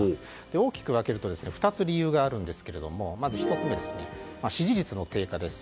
大きく分けると２つ理由があるんですがまず１つ目、支持率の低下です。